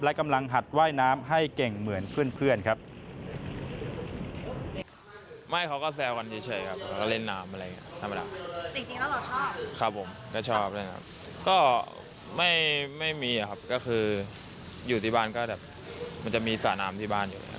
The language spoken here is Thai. และกำลังหัดว่ายน้ำให้เก่งเหมือนเพื่อนครับ